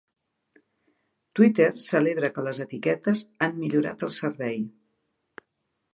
Twitter celebra que les etiquetes han millorat el servei